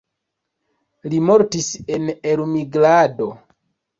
Li mortis en elmigrado.